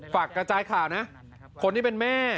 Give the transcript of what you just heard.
ฝากกระจายข่าวนะ